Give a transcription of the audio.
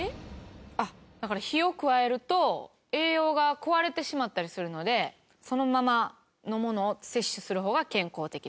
あっだから火を加えると栄養が壊れてしまったりするのでそのままのものを摂取する方が健康的です。